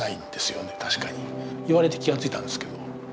言われて気が付いたんですけど。